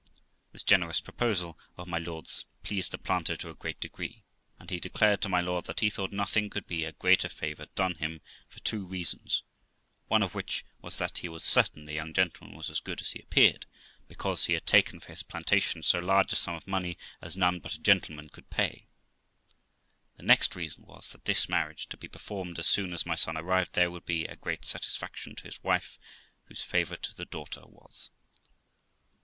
This generous proposal of my lord's pleased the planter to a great degree, and he declared to my lord that he thought nothing could be a greater favour done him, for two reasons ; one of which was, that he was certain the young gentleman was as good as he appeared, because he had taken for his plantation so large a sum of money as none but a gentleman could pay. The next reason was, that this marriage, to be performed as soon as my son arrived there, would be a great satisfaction to his wife, whose favourite the daughter was.